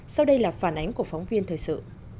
sau đây là phản ánh của phóng viên thời sự